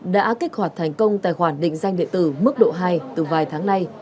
đã kích hoạt thành công tài khoản định danh điện tử mức độ hai từ vài tháng nay